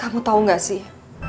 kamu tau gak sih